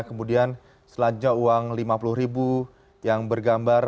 kemudian selanjutnya uang lima puluh ribu yang bergambar